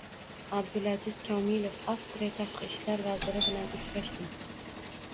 Abdulaziz Komilov Avstriya Tashqi ishlar vaziri bilan uchrashding